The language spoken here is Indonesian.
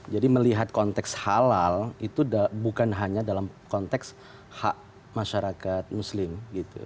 jadi melihat konteks halal itu bukan hanya dalam konteks hak masyarakat muslim gitu